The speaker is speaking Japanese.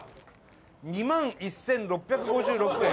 ２万１６５６円。